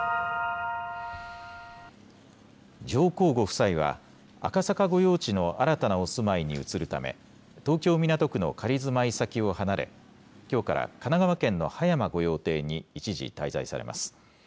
上皇ご夫妻は、赤坂御用地の新たなお住まいに移るため、東京・港区の仮住まい先を離れ、きょうから神奈川県の葉山御用邸に一時滞在されます。